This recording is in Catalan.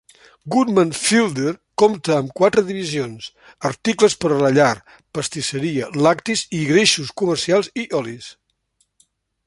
Goodman Fielder compta amb quatre divisions, articles per a la llar, pastisseria, lactis i greixos comercials i olis.